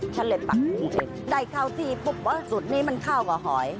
ฉะละปลั๊กกรุงเอ็งได้เขาที่ปุ๊บว่าสูตรนี้มันเข้ากับหอย